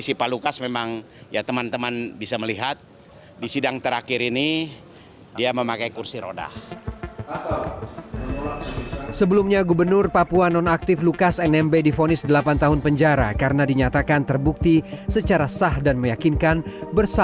sebelumnya gubernur papua nonaktif lukas nmb difonis delapan tahun penjara karena dinyatakan terbukti secara sah dan meyakinkan